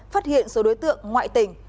phát hiện số đối tượng ngoại tỉnh